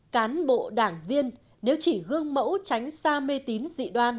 cán bộ đảng viên nếu chỉ gương mẫu tránh xa mê tín dị đoan